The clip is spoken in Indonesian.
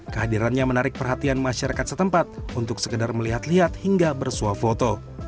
kehadirannya menarik perhatian masyarakat setempat untuk sekedar melihat lihat hingga bersuah foto